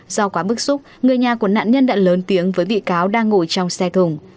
do quá bức xúc người nhà của nạn nhân đã lớn tiếng với bị cáo đang ngồi trong xe thùng